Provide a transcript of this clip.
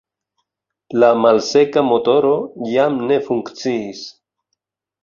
La malseka motoro jam ne funkciis.